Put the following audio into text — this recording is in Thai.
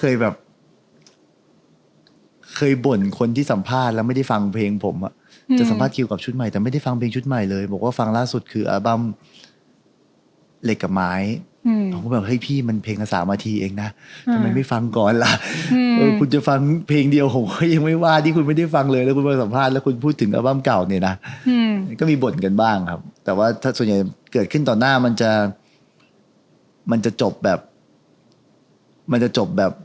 อย่างน้อยก็ใช้หน้าผมจะไปทำแนวอื่นแล้ว